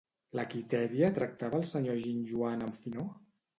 La Quitèria tractava el senyor Ginjoan amb finor?